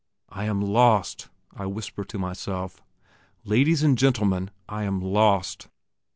I am lost! I whisper to myself. Ladies and gentlemen, I am lost!